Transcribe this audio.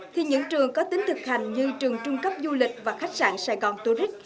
thì những trường có tính thực hành như trường trung cấp du lịch và khách sạn sài gòn tourist